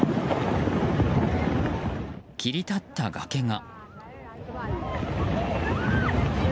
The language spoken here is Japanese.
切り立った崖が。